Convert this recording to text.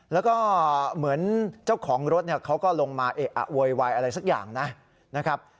แล้วก็เหมือนเจ้าของรถเนี่ยเขาก็ลงมาเอะอะโวยวายอะไรสักอย่างนะครับ